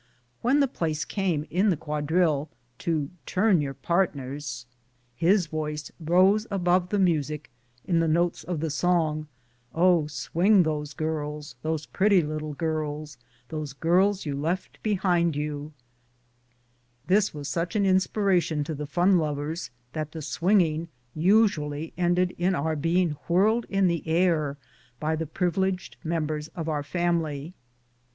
When the place came in the quadrille to " Turn your partners," his voice rose above the music, in the notes of the old song, " Oh swing those girls, those pretty little girls, those girls you left behind you 1" This was such an inspiration to the fun INCIDENTS OF EVERYDAY LIFE. 105 lovers that the swinging usually ended in our being whirled in the air by the privileged members of our family.